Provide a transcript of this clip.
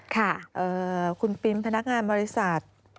ค่ะคุณปิมพนักงานบริษัท